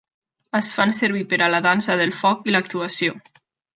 Es fan servir per a la dansa del foc i l'actuació.